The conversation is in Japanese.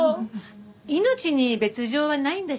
命に別条はないんだし。